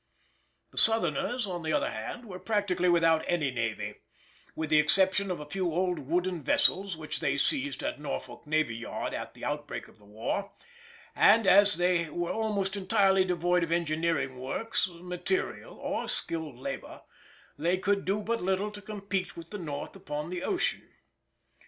The Southerners, on the other hand, were practically without any navy, with the exception of a few old wooden vessels which they seized at Norfolk Navy Yard at the outbreak of the war; and, as they were almost entirely devoid of engineering works, material, or skilled labour, they could do but little to compete with the North upon the ocean.